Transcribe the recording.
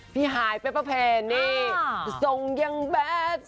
พี่ฮายเป็นนี่ส่งอย่างแบบ